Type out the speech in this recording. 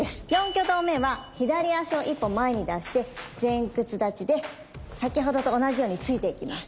４挙動目は左足を一歩前に出して前屈立ちで先ほどと同じように突いていきます。